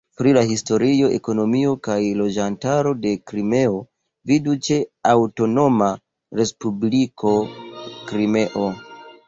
Pri la historio, ekonomio kaj loĝantaro de Krimeo vidu ĉe Aŭtonoma Respubliko Krimeo.